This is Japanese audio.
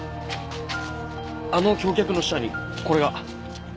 あの橋脚の下にこれが。